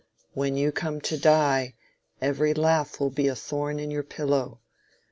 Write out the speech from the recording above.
When you come to die, every laugh will be a thorn in your pillow.